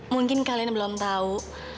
mungkin kalian belum tahu